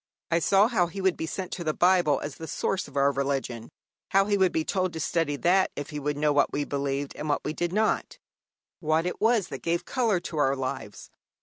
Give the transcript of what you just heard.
I saw how he would be sent to the Bible as the source of our religion, how he would be told to study that if he would know what we believed and what we did not what it was that gave colour to our lives.